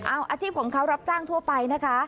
เอาอาชีพของเขารับจ้างทั่วไปนะคะ